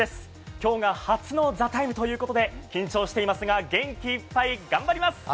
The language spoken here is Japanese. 今日が初の「ＴＨＥＴＩＭＥ，」ということで緊張していますが、元気いっぱい頑張ります！